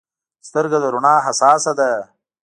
سترګه د رڼا حساسه ده.